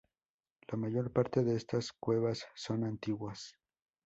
La mayor parte de estas cuevas son antiguas.